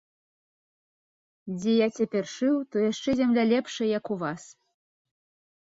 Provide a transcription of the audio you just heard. Дзе я цяпер шыў, то яшчэ зямля лепшая, як у вас.